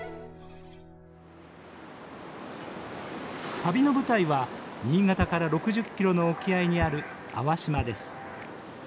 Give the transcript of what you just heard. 旅の舞台は新潟から６０キロの沖合にある粟島です。